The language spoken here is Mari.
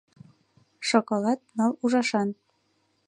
Шоколад ныл ужашан.